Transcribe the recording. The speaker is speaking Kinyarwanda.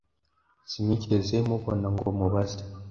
sinigeze mubona ngo mubaze